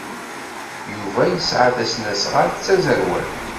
Yuba yesɛa tasnasɣalt d taẓerwalt.